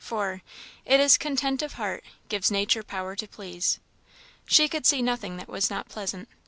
For "It is content of heart Gives nature power to please." She could see nothing that was not pleasant.